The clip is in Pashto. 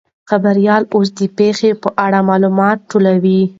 خبریال اوس د پیښې په اړه معلومات ټولوي.